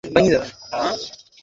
এটা আবার কোন কোম্পানি?